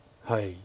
はい。